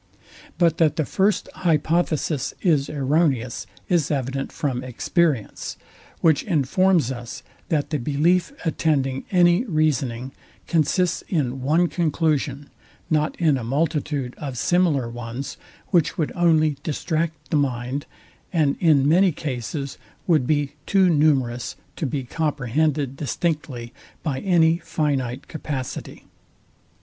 But that the first hypothesis is erroneous, is evident from experience, which informs us, that the belief, attending any reasoning, consists in one conclusion, not in a multitude of similar ones, which would only distract the mind, and in many cases would be too numerous to be comprehended distinctly by any finite capacity.